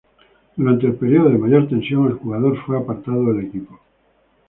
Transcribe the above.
Durante el periodo de mayor tensión, el jugador fue apartado del equipo.